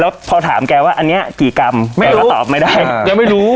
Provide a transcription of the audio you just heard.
แล้วพอถามแกว่าอันนี้กี่กรัมแกก็ตอบไม่ได้ยังไม่รู้